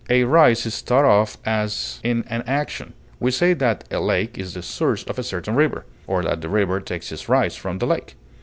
A rise is thought of as in an action; we say that a lake is the source of a certain river, or that the river takes its rise from the lake.